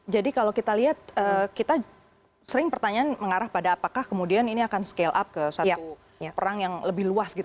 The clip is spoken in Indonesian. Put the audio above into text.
jadi kalau kita lihat kita sering pertanyaan mengarah pada apakah kemudian ini akan scale up ke satu perang yang lebih luas gitu